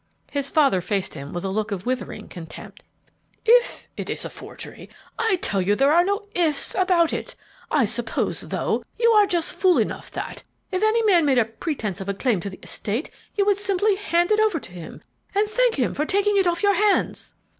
His father faced him with a look of withering contempt. "'If' it is a forgery! I tell you there are no 'ifs' about it. I suppose, though, you are just fool enough that, if any man made a pretence of a claim to the estate, you would simply hand it over to him, and thank him for taking it off your hands!"